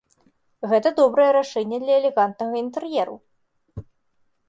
Гэта добрае рашэнне для элегантнага інтэр'еру.